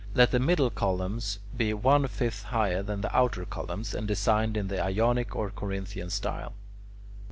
Let the middle columns be one fifth higher than the outer columns, and designed in the Ionic or Corinthian style.